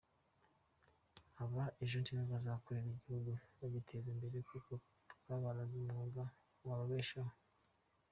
Aba ejo ni bo bazakorera igihugu bagiteza imbere kuko twabaraze umwuga wababeshaho.